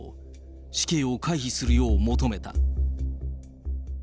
死刑を回避するよう求めた。